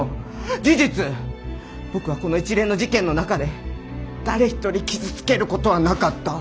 事実僕はこの一連の事件の中で誰一人傷つけることはなかった。